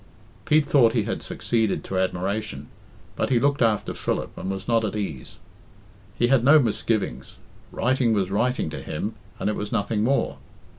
Pete thought he had succeeded to admiration, but he looked after Philip, and was not at ease. He had no misgivings. Writing was writing to him, and it was nothing more.